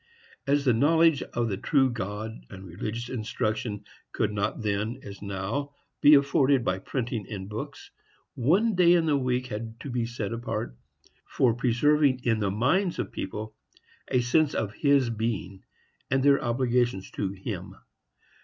As the knowledge of the true God and religious instruction could not then, as now, be afforded by printing and books, one day in the week had to be set apart for preserving in the minds of the people a sense of His being, and their obligations to Him.